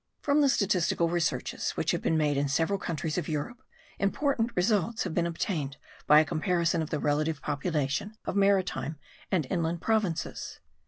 From the statistical researches which have been made in several countries of Europe, important results have been obtained by a comparison of the relative population of maritime and inland provinces.